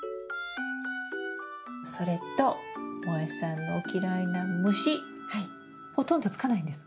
それともえさんの嫌いな虫ほとんどつかないんです。